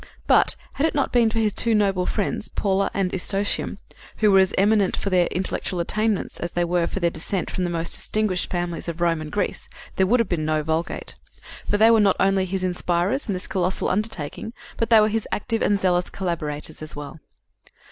But, had it not been for his two noble friends, Paula and Eustochium, who were as eminent for their intellectual attainments as they were for their descent from the most distinguished families of Rome and Greece, there would have been no Vulgate. For they were not only his inspirers in this colossal undertaking, but they were his active and zealous collaborators as well.